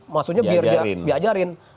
maksudnya biar dia diajarin